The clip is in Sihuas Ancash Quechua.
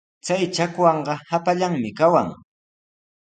Chay chakwanqa hapallanmi kawan.